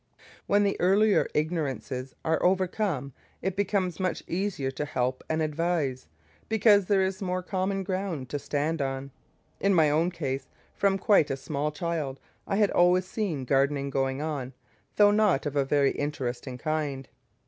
When the earlier ignorances are overcome it becomes much easier to help and advise, because there is more common ground to stand on. In my own case, from quite a small child, I had always seen gardening going on, though not of a very interesting kind.